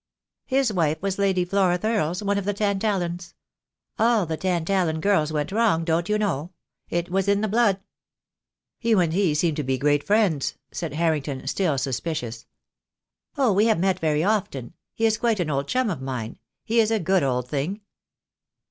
"His wife was Lady Flora Thurles, one of the Tan tallans. All the Tantallan girls went wrong, don't you know. It was in the blood." "You and he seem to be great friends," said Harring ton, still suspicious. "Oh, we have met very often; he is quite an old chum of mine. He is a good old thing."